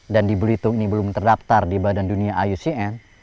dan di belitung ini belum terdaftar di badan dunia iucn